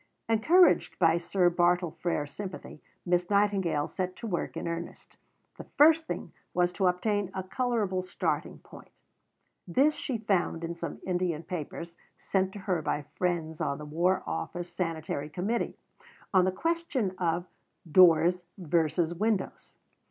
Encouraged by Sir Bartle Frere's sympathy, Miss Nightingale set to work in earnest. The first thing was to obtain a colourable starting point. This she found in some Indian papers, sent to her by friends on the War Office Sanitary Committee, on the question of "Doors versus Windows."